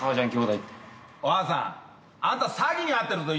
ばあさんあんた詐欺に遭ってるぞ今。